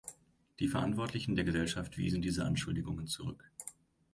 Die Verantwortlichen der Gesellschaft wiesen diese Anschuldigungen zurück.